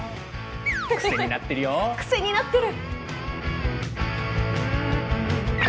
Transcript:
癖になってる！